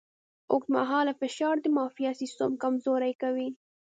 اوږدمهاله فشار د معافیت سیستم کمزوری کوي.